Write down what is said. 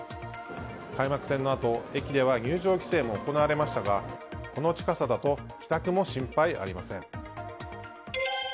開幕戦のあと、駅では入場規制も行われましたがこの近さだと帰宅も心配ありません。